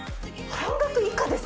半額以下ですよ。